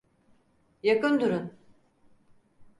Yakın durun!